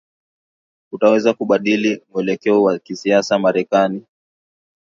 utaweza kubadili muelekeo wa kisiasa Marekani